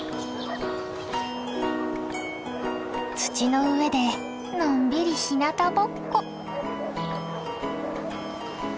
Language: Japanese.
土の上でのんびりひなたぼっこ。